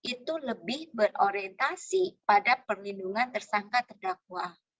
itu lebih berorientasi pada perlindungan tersangka terdakwa